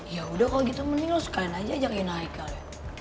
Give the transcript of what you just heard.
ya udah kalo gitu mending lo sukain aja ajakin haikal ya